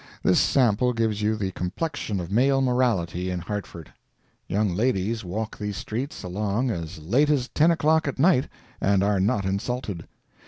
This sample gives you the complexion of male morality in Hartford. Young ladies walk these streets along as late as ten o'clock at night, and are not insulted.